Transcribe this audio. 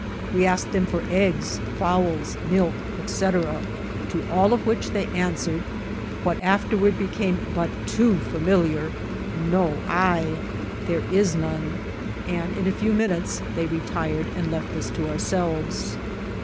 We asked them for eggs, fowls, milk, &c., to all of which they answered, what afterward became but too familiar, " no hay," " there is none," and in a few minutes they retired and }eft us to ourselves.